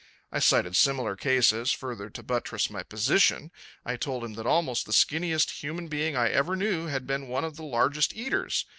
I cited similar cases further to buttress my position. I told him that almost the skinniest human being I ever knew had been one of the largest eaters.